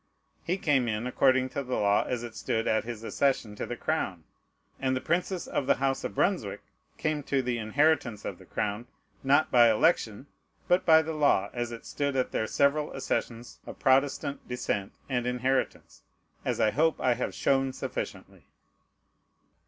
He came in according to the law, as it stood at his accession to the crown; and the princes of the House of Brunswick came to the inheritance of the crown, not by election, but by the law, as it stood at their several accessions, of Protestant descent and inheritance, as I hope I have shown sufficiently.